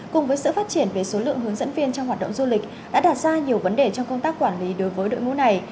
cùng với sự phát triển về số lượng hướng dẫn viên trong hoạt động du lịch đã đạt ra nhiều vấn đề trong công tác quản lý đối với đội ngũ này